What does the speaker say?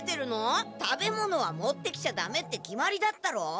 食べ物は持ってきちゃダメって決まりだったろ？